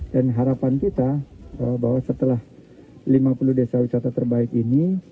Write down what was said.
dan harapan kita bahwa setelah lima puluh desa wisata terbaik ini